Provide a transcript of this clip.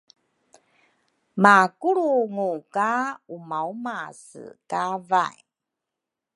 makulrungu ka umaumase kavay.